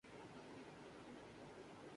یہی وجہ صرف دو روز میں کیا نجانے ماجرہ ہوا